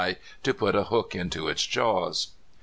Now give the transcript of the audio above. to put a hook into its jaws.